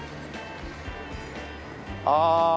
ああ